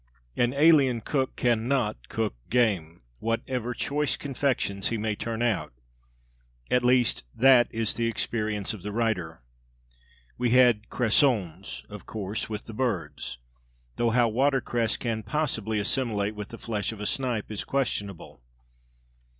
An alien cook can not cook game, whatever choice confections he may turn out at least that is the experience of the writer. We had cressons, of course, with the birds; though how water cress can possibly assimilate with the flesh of a snipe is questionable.